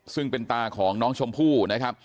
ซึ่งเป็นตาของน้องชมพู่นะครับ